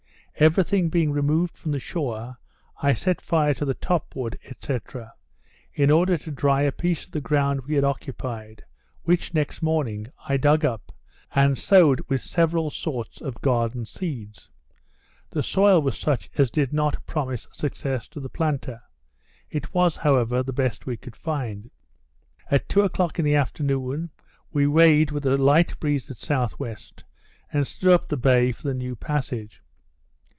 Every thing being removed from the shore, I set fire to the top wood, &c., in order to dry a piece of the ground we had occupied, which, next morning, I dug up, and sowed with several sorts of garden seeds. The soil was such as did not promise success to the planter; it was, however, the best we could find. At two o clock in the afternoon, we weighed with a light breeze at S.W., and stood up the bay for the New Passage.